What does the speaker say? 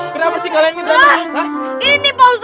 kenapa sih kalian sto terus